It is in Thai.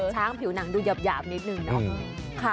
ช้างผิวหนังอยู่หยาบนิดนึงนะ